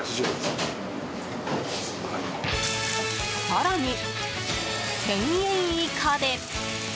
更に、１０００円以下で。